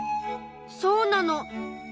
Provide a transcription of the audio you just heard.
そうなの。